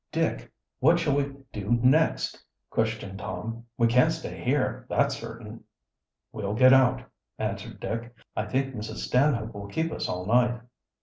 "Dick, what shall we do next?" questioned Tom. "We can't stay here, that's certain." "We'll get out," answered Dick. "I think Mrs. Stanhope will keep us all night."